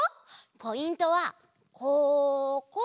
ポイントはここ。